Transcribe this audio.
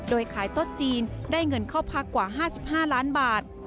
โดยขายโต๊ะจีนได้เงินเข้าพักกว่า๕๕ล้านบาท